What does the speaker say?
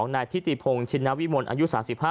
นายทิติพงศ์ชินวิมลอายุ๓๕